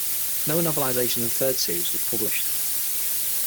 No novelisation of the third series was published.